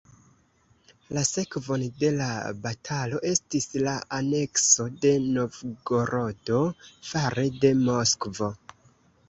La sekvon de la batalo estis la anekso de Novgorodo fare de Moskvo.